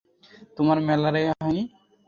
তোমার ম্যালেরিয়া হয়নি!